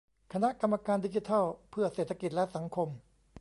คณะกรรมการดิจิทัลเพื่อเศรษฐกิจและสังคม